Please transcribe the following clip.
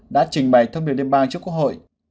đã trình bày thông điệp liên bang trước quốc hội